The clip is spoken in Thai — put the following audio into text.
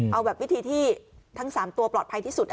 เอาแบบวิธีที่ทั้ง๓ตัวปลอดภัยที่สุด